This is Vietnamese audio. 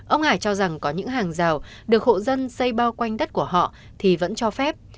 ông hải cho rằng có những hàng rào được hộ dân xây bao quanh đất của họ thì vẫn cho phép